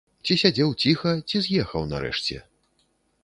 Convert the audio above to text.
Ці сядзеў ціха, ці з'ехаў нарэшце.